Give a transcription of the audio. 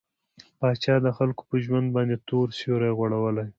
پاچا د خلکو په ژوند باندې تور سيورى غوړولى.